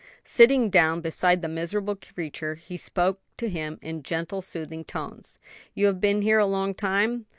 Sitting down beside the miserable creature, he spoke to him in gentle, soothing tones. "You have been here a long time?"